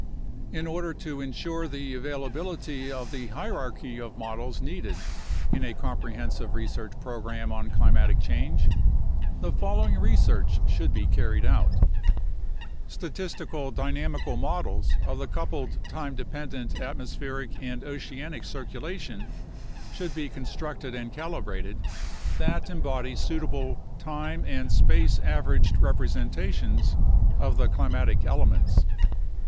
In order to ensure the availability of the hierarchy of models needed in a comprehensive research program on climatic change, the following research should be carried out: Statistical dynamical models of the coupled time dependent at mospheric and oceanic circulation should be constructed and calibrated that embody suitable time and space averaged representations of the climatic elements.